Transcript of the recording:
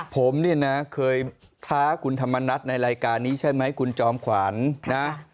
ผมเนี่ยนะเคยท้าคุณธรรมนัฐในรายการนี้ใช่ไหมคุณจอมขวัญนะ